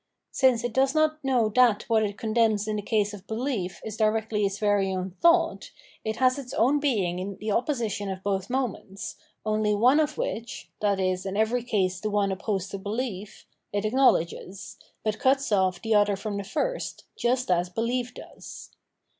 Since it does not know that what it condemns in the case of behef is directly its very own thought, it has its own being in the opposition of both moments, only one of which, — viz. in every case the one opposed to behef — it acknowledges, but cuts off the other from the first, just as behef does.